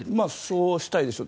そうしたいでしょう。